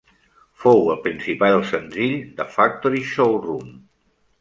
Fou el principal senzill de "Factory Showroom".